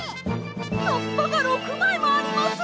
はっぱが６まいもあります！